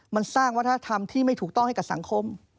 มันสร้างวัฒนธรรมที่ไม่ถูกต้องให้กับสังคม